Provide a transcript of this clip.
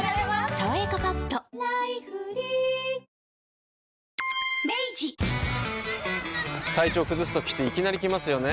「さわやかパッド」体調崩すときっていきなり来ますよね。